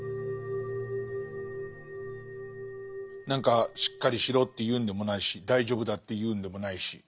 何かしっかりしろっていうんでもないし大丈夫だっていうんでもないし。